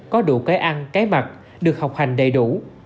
có đủ cái ăn cái mặt được học hành đầy đủ